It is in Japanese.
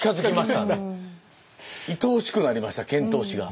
いとおしくなりました遣唐使が。